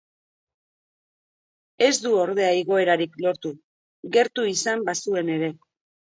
Ez du ordea igoerarik lortu, gertu izan bazuen ere.